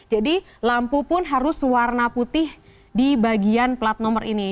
jadi lampu pun harus warna putih di bagian plat nomor ini